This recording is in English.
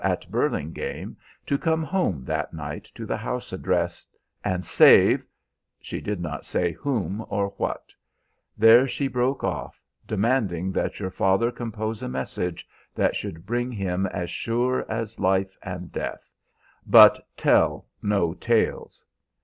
at Burlingame, to come home that night to the house address and save she did not say whom or what; there she broke off, demanding that your father compose a message that should bring him as sure as life and death, but tell no tales.